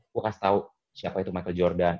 gue kasih tau siapa itu michael jordan